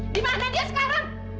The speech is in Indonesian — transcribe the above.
dimana dia sekarang